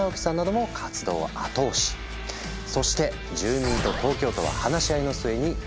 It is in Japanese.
そして住民と東京都は話し合いの末に和解。